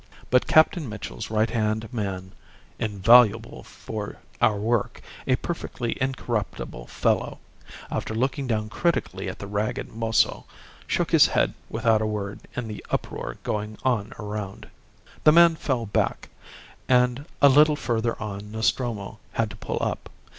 But Captain Mitchell's right hand man "invaluable for our work a perfectly incorruptible fellow" after looking down critically at the ragged mozo, shook his head without a word in the uproar going on around. The man fell back; and a little further on Nostromo had to pull up.